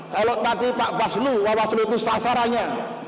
kalau tadi pak bawaslu bawaslu itu sasarannya